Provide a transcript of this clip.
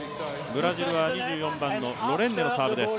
ブラジルは２４番のロレンネのサーブです。